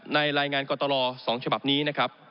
รายงานกรตล๒ฉบับนี้นะครับ